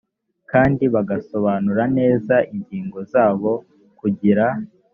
kandi bagasobanura neza ingingo zabo kugira